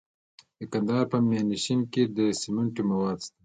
د کندهار په میانشین کې د سمنټو مواد شته.